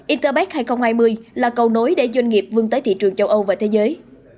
interpac hai nghìn hai mươi là cầu nối để doanh nghiệp vươn tới thị trường châu âu và thế giới